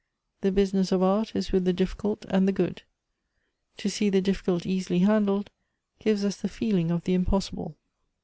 " The business of art is with the difficult and the good. "To see the difficult easily handled, gives us the feel ing of the impossible.